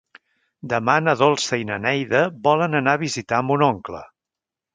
Demà na Dolça i na Neida volen anar a visitar mon oncle.